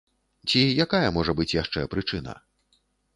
Ці якая можа быць яшчэ прычына?